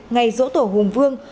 ngày rỗ tổ hùng vương